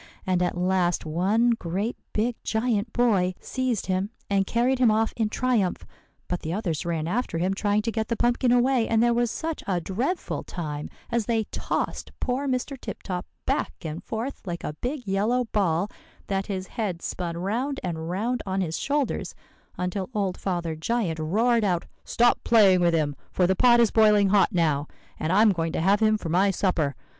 And at last one great big giant boy seized him, and carried him off in triumph; but the others ran after him, trying to get the pumpkin away; and there was such a dreadful time as they tossed poor Mr. Tip Top back and forth like a big yellow ball, that his head spun round and round on his shoulders, until old Father Giant roared out, 'Stop playing with him; for the pot is boiling hot now, and I'm going to have him for my supper.